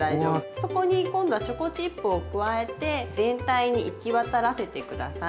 そこに今度はチョコチップを加えて全体に行き渡らせて下さい。